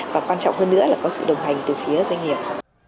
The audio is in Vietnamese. và quan trọng hơn nữa là có sự đồng hành từ phía doanh nghiệp